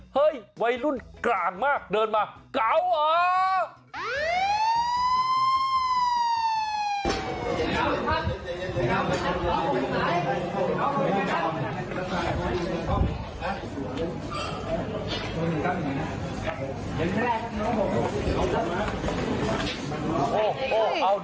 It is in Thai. เฮ้ยวัยรุ่นกลางมากเดินมาเกาเหรอ